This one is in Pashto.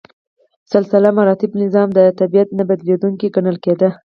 سلسله مراتبو نظام د طبیعت نه بدلیدونکی ګڼل کېده.